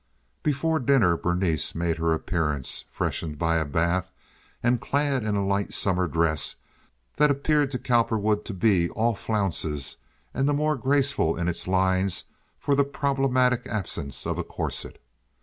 Before dinner Berenice made her appearance, freshened by a bath and clad in a light summer dress that appeared to Cowperwood to be all flounces, and the more graceful in its lines for the problematic absence of a corset.